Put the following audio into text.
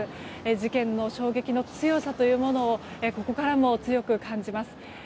事件の衝撃の強さをここからも強く感じます。